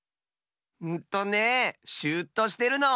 んとねシューッとしてるの！